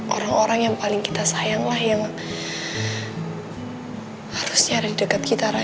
orang orang yang paling kita sayang lah yang harusnya ada di dekat kita rey